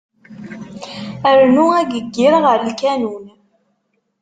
Rnu ageyyir ɣer lkanun.